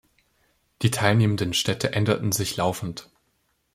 Die teilnehmenden Städte änderten sich laufend.